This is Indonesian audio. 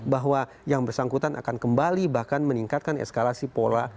bahwa yang bersangkutan akan kembali bahkan meningkatkan eskalasi pola